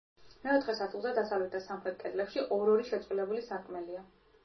მეოთხე სართულზე, დასავლეთ და სამხრეთ კედლებში, ორ-ორი შეწყვილებული სარკმელია.